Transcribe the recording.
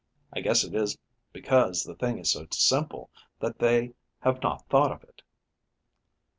I guess it is because the thing is so simple that they have not thought of it."